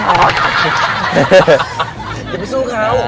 อย่าไปสู้เขา